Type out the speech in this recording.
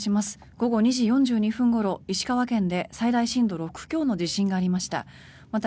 午後２時４２分ごろ石川県で最大震度６強の地震がありました。